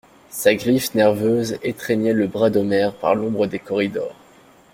Sa griffe nerveuse étreignait le bras d'Omer par l'ombre des corridors.